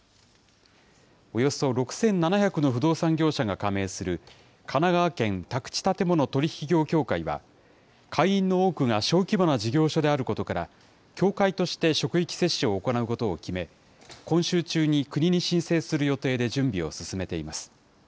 およそ６７００の不動産業者が加盟する、神奈川県宅地建物取引業協会は、会員の多くが小規模な事業所であることから、協会として職域接種を行うことを決め、今週中に国に申請する予定で準備を進めています。